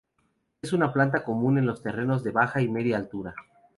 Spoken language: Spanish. Es una planta común en los terrenos de baja y media altura.